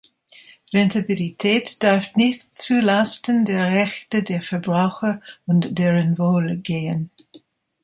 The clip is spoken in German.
Rentabilität darf nicht zu Lasten der Rechte der Verbraucher und deren Wohl gehen.